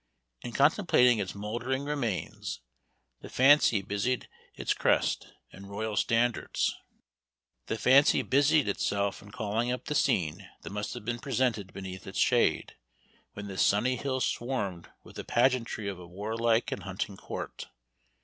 In contemplating its mouldering remains, the fancy busied itself in calling up the scene that must have been presented beneath its shade, when this sunny hill swarmed with the pageantry of a warlike and hunting court.